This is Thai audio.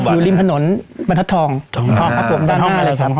อยู่ริมถนนบรรทัศน์ทองครับผมด้านห้องอะไรครับ